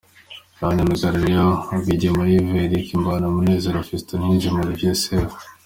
Ba myugariro: Rwigema Yves, Eric Irambona , Munezero Fiston, Niyonzima Olivier Sefu.